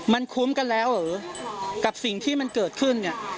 มันคุ้มกันแล้วเหรอกับสิ่งที่มันเกิดขึ้นเนี่ย